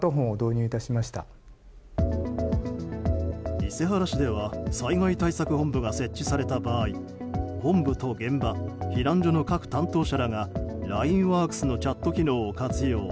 伊勢原市では災害対策本部が設置された場合本部と現場避難所の各担当者らがＬＩＮＥＷＯＲＫＳのチャット機能を活用。